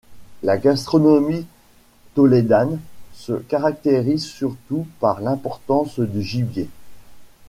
La gastronomie tolédane se caractérise surtout par l'importance du gibier.